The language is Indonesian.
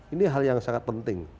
ini hal yang sangat penting